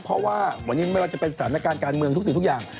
เพราะว่าวันนี้ไม่ว่าจะเป็นสถานการณ์การเมืองทุกสิ่งทุกอย่าง